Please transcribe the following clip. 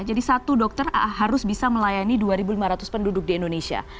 jadi satu dokter harus bisa melayani dua lima ratus penduduk di indonesia